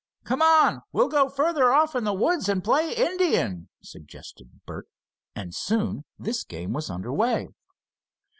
"Come on, we'll go farther off in the woods and play Indian," suggested Bert, and soon this game was under way.